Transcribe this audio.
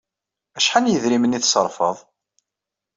Acḥal n yedrimen ay tṣerrfeḍ?